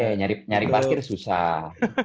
iya nyari parkir susah